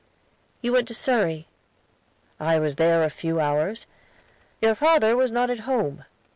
"You went to Surrey." "I was there a few hours. Your father was not at home.